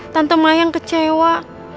tante mayang kecewa